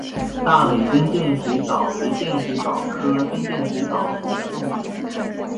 大尾真剑水蚤为剑水蚤科真剑水蚤属的动物。